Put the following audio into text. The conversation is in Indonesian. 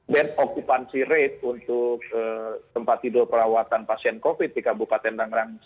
dan okupansi rate untuk tempat tidur perawatan pasien covid sembilan belas di kabupaten bangra